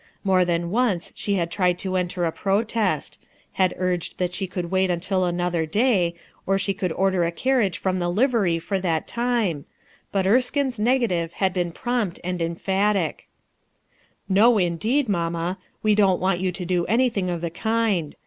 More than once she had tried to enter a protest; had urged that she could wait until another day, or she could order a carriage from the livery for that time; but Erskine J s negative had been prompt and emphatic, "No, indeed, mamma; vre don't want you to do anything of the kind.